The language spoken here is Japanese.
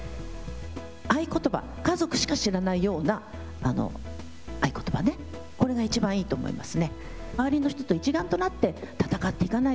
合言葉、家族しか知らないような合言葉、これがいちばんいいと思います。